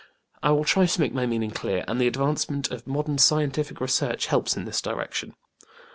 I will try to make my meaning clear, and the advancement of modern scientific research helps in this direction.